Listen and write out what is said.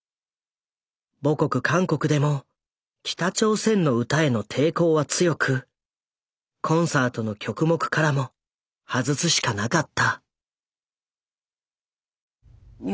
母国韓国でも「北朝鮮の歌」への抵抗は強くコンサートの曲目からも外すしかなかった。